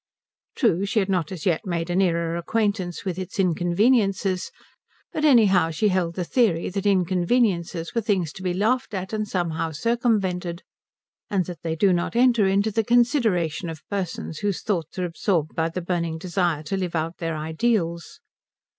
True she had not as yet made a nearer acquaintance with its inconveniences, but anyhow she held the theory that inconveniences were things to be laughed at and somehow circumvented, and that they do not enter into the consideration of persons whose thoughts are absorbed by the burning desire to live out their ideals.